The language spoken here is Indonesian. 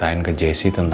dan setelah memeriksa